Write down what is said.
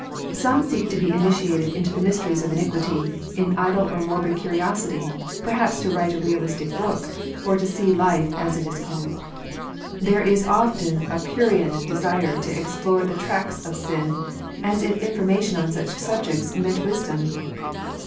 Some seek to be initiated into the mysteries of iniquity, in idle or morbid curiosity, perhaps to write a realistic book, or to see life, as i< is called. There is often a prurient de sire to explore the tracts of sin, as if in formation on such subjects meant wis dom.